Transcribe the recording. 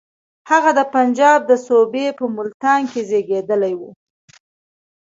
هغه د پنجاب د صوبې په ملتان کې زېږېدلی وو.